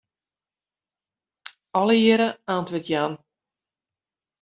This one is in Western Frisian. Allegearre antwurd jaan.